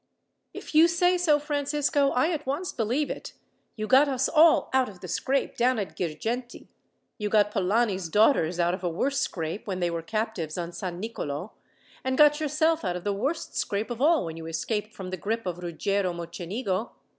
"If you say so, Francisco, I at once believe it. You got us all out of the scrape down at Girgenti. You got Polani's daughters out of a worse scrape when they were captives on San Nicolo; and got yourself out of the worst scrape of all when you escaped from the grip of Ruggiero Mocenigo.